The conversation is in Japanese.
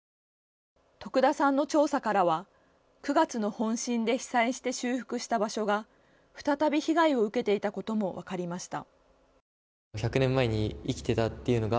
徳田さんの調査からは９月の本震で被災して修復した場所が、再び被害を受けていたことも分かりました。